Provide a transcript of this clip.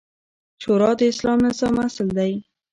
شورا د اسلامي نظام اصل دی